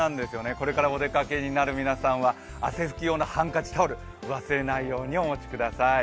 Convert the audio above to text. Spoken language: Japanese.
これからお出かけになる皆さんは汗ふき用のハンカチ、タオル忘れずにお持ちください。